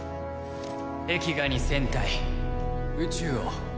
壁画に戦隊宇蟲王。